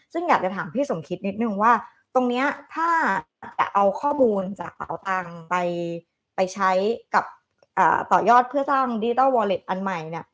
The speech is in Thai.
ซึ่งอยากจะถามพี่สมคิดนิดนึงว่าตรงนี้ถ้าจะเอาข้อมูลจากเป๋าตังค์ไปใช้กับต่อยอดเพื่อสร้างดิจิทัลวอเล็ตอันใหม่เนี่ย